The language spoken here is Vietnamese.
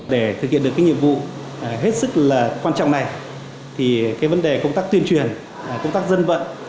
để thực hiện được cái nhiệm vụ hết sức là quan trọng này thì cái vấn đề công tác tuyên truyền công tác dân vận